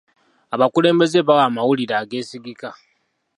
Abakulembeze bawa amawulire ageesigika.